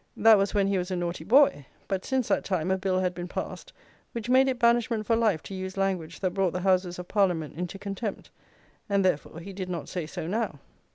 That was when he was a naughty boy; but since that time a Bill had been passed which made it banishment for life to use language that brought the Houses of Parliament into contempt, and therefore he did not say so now.